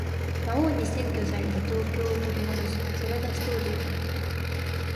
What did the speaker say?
魔王に占拠された東京を取り戻す。それがストーリーだった。